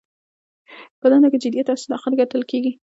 په دنده کې جدیت او صداقت کتل کیږي.